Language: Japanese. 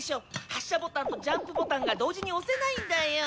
発射ボタンとジャンプボタンが同時に押せないんだよ」